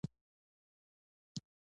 ورور ته د مرستې لاس ور اوږدوې.